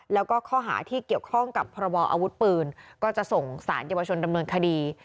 แล้วก็ข้อหาที่เกี่ยวข้องกับพรบออาวุธปืนก็จะส่งสารเยาวชนดำเนินคดี